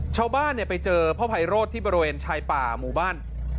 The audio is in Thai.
ชาวบ้านไปเจอพ่อไพโรธที่บริเวณชายป่าหมู่บ้าน